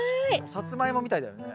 サツマイモみたいだよね。